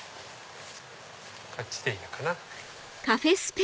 こっちでいいのかな。